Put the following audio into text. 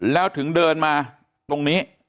แล้วถึงเดินมาตรงนี้